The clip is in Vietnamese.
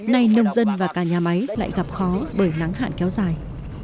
nay nông dân và cả nhà máy lại gặp khó bởi nắng hạn kéo dài